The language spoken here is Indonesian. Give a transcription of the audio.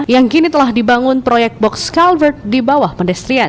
yang kini telah dibangun proyek box culvert di bawah pendestrian